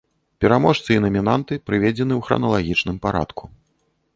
Пераможцы і намінанты прыведзены ў храналагічным парадку.